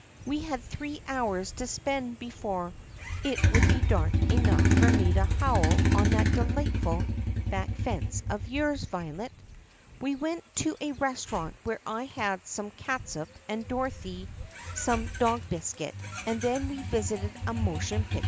We had three hours to spend before it would be dark enough for me to howl on that delightful back fence of yours, Violet. We went to a restaurant where I had some catsup and Dorothy some dog biscuit; and then we visited a motion picture theater.